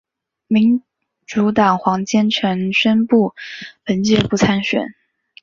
民主党黄坚成宣布本届不参选。